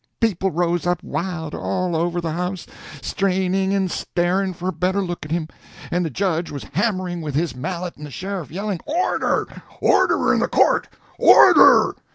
People rose up wild all over the house, straining and staring for a better look at him, and the judge was hammering with his mallet and the sheriff yelling "Order—order in the court—order!"